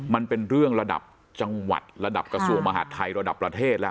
มันเป็นเรื่องระดับจังหวัดระดับกระทรวงมหาดไทยระดับประเทศแล้ว